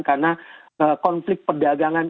karena konflik perdagangan